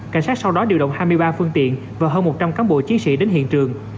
cảnh sát sau đó điều động hai mươi ba phương tiện và hơn một trăm linh cán bộ chiến sĩ đến hiện trường